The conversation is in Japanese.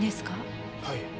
はい。